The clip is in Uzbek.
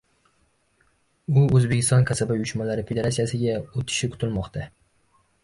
U O‘zbekiston kasaba uyushmalari Federatsiyasiga o‘tishi kutilmoqda